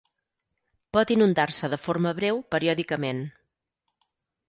Pot inundar-se de forma breu periòdicament.